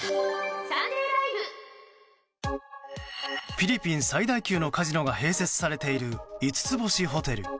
フィリピン最大級のカジノが併設されている５つ星ホテル。